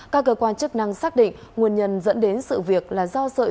các cơ quan chức năng xác định nguồn nhân dẫn đến sự việc là do sợi